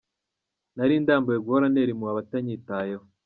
Nari ndambiwe guhora ntera impuhwe abatanyitayeho.